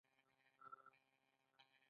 پانګوال لس میلیونه د شخصي لګښتونو لپاره اخلي